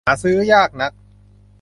หาซื้อยากนัก